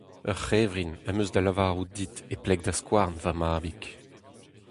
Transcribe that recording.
Ur c'hevrin am eus da lavarout dit e pleg da skouarn, va mabig.